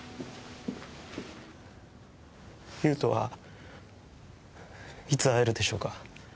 優とはいつ会えるでしょうか。